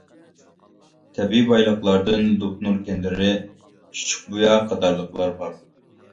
تەبىئىي بايلىقلاردىن لوپنۇر كەندىرى، چۈچۈكبۇيا قاتارلىقلار بار.